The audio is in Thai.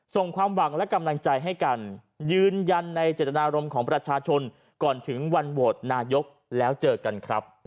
ส่งความหวังและกำลังใจให้กันยืนยันในเจตนารมณ์ของประชาชนก่อนถึงวันโหวตนายกแล้วเจอกันครับ